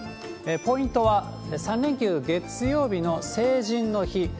ポイントは３連休、月曜日の成人の日。